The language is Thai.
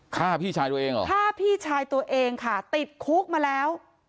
ฆ่าพี่ชายตัวเองเหรอฆ่าพี่ชายตัวเองค่ะติดคุกมาแล้ว